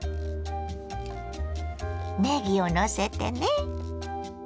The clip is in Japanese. ねぎをのせてね。